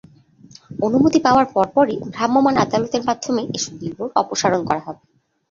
অনুমতি পাওয়ার পরপরই ভ্রাম্যমাণ আদালতের মাধ্যমে এসব বিলবোর্ড অপসারণ করা হবে।